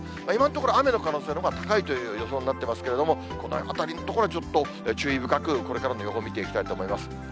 今のところ雨の可能性のほうが高いという予想になってますけれども、この辺りの所、ちょっと注意深く、これからの予報見ていきたいと思います。